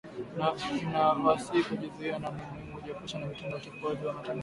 Ninawasihi kujizuia na ni muhimu kujiepusha na vitendo vya uchokozi kwa maneno na vitendo